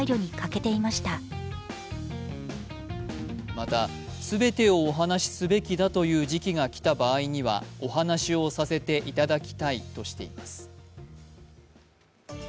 また、全てをお話しすべきだという時期が来た場合にはお話をさせていただきたいとしています。